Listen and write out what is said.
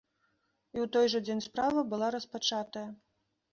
І ў той жа дзень справа была распачатая.